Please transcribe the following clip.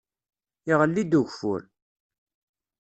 Iɣelli-d ugeffur.